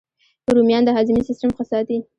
رومیان د هاضمې سیسټم ښه ساتي